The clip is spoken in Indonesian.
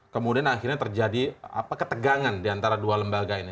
kemudian akhirnya terjadi ketegangan diantara dua lembaga ini